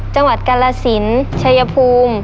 จังหวัดกาลสินชัยภูมิ